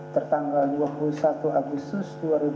tertanggal dua puluh satu agustus dua ribu delapan belas